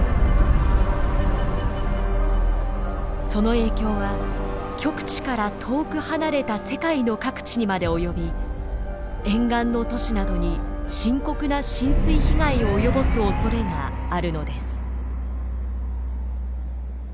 その影響は極地から遠く離れた世界の各地にまで及び沿岸の都市などに深刻な浸水被害を及ぼすおそれがあるのです。